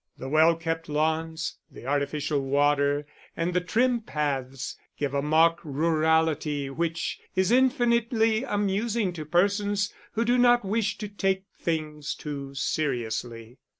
The well kept lawns, the artificial water and the trim paths, give a mock rurality which is infinitely amusing to persons who do not wish to take things too seriously.